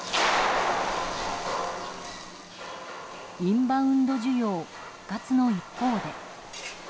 インバウンド需要復活の一方で。